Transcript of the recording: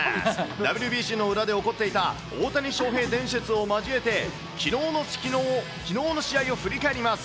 ＷＢＣの裏で起こっていた、大谷翔平伝説を交えてきのうの試合を振り返ります。